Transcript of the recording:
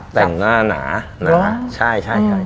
แต่งหน้าหนาหนาใช่ใช่